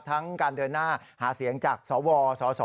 การเดินหน้าหาเสียงจากสวสส